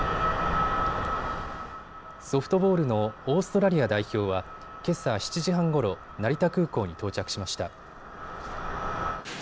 ソフトボールのオーストラリア代表はけさ７時半ごろ、成田空港に到着しました。